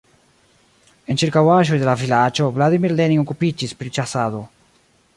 En ĉirkaŭaĵoj de la vilaĝo Vladimir Lenin okupiĝis pri ĉasado.